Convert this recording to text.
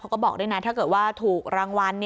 เขาบอกด้วยนะถ้าเกิดว่าถูกรางวัล